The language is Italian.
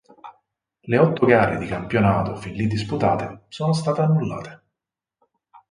Le otto gare di campionato fin lì disputate sono state annullate.